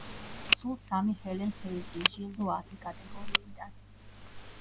სულ სამი ჰელენ ჰეისის ჯილდო ათი კატეგორიიდან.